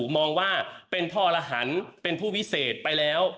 มองว่าเป็นทรหันเป็นผู้วิเศษไปแล้ว